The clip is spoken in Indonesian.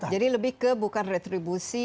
jadi lebih ke bukan retribusi